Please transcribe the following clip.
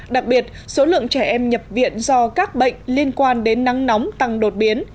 đặc biệt số lượng trẻ em nhập viện do các bệnh liên quan đến nắng nóng tăng đột biến